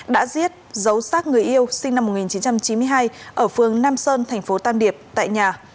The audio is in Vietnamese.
đã giết giấu xác người yêu sinh năm một nghìn chín trăm chín mươi hai ở phương nam sơn tp tam điệp tại nhà